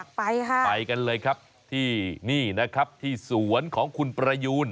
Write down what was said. ไปค่ะไปกันเลยครับที่นี่นะครับที่สวนของคุณประยูน